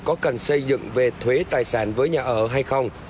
có cần xây dựng về thuế tài sản với nhà ở hay không